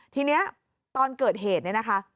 ทีนี้ตอนเกิดเหตุเนี่ยนะคะ